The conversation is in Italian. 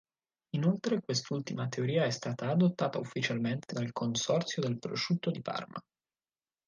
Inoltre quest'ultima teoria è stata adottata ufficialmente dal Consorzio del prosciutto di Parma.